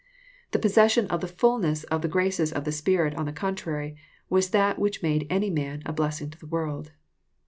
The possession of the ftilness of the graces of the Spirit, on the contrary, was that which made any man a blessing to the world.